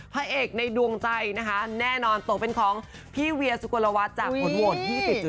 พระเอกในดวงใจนะคะแน่นอนตกเป็นของพี่เวียสุกลวัฒน์จากผลโหวต๒๐